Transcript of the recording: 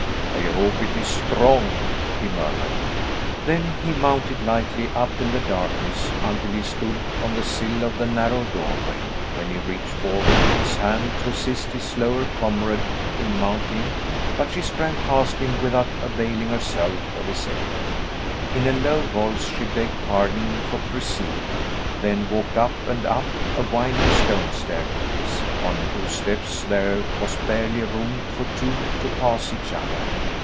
"I hope it is strong," he murmured. Then he mounted lightly up in the darkness, until he stood on the sill of the narrow doorway, when he reached forward his hand to assist his slower comrade in mounting, but she sprang past him without availing herself of his aid. In a low voice she begged pardon for preceding him. Then walked up and up a winding stone staircase, on whose steps there was barely room for two to pass each other.